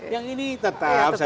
yang ini tetap saja